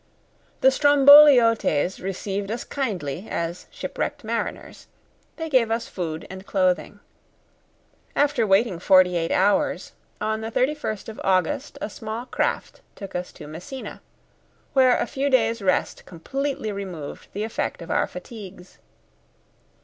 The Stromboliotes received us kindly as shipwrecked mariners. They gave us food and clothing. After waiting forty eight hours, on the 31 st of August, a small craft took us to Messina, where a few days' rest completely removed the effect of our fatigues.